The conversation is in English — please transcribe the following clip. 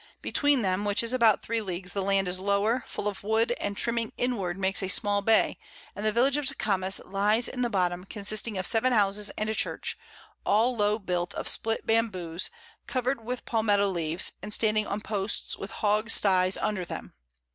Between them, which is about 3 Leagues, the Land is lower, full of Wood, and trimming inward makes a small Bay, and the Village of Tecames lies in the Bottom, consisting of 7 Houses and a Church, all low built of split Bamboes, cover'd with Palmetto Leaves, and standing on Posts, with Hog sties under them.